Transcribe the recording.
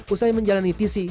usai menjalani tc